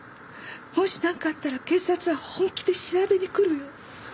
もしなんかあったら警察は本気で調べにくるよ。